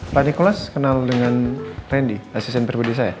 pak nicholas kenal dengan randy asisten perbudi saya